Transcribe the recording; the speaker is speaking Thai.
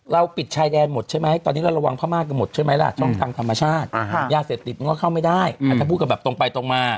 ยาเสพติดมันก็เข้าไม่ได้อืมท่านเขาพูดกันแบบตรงไปตรงมา